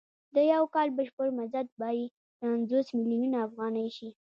د یو کال بشپړ مزد به یې پنځوس میلیونه افغانۍ شي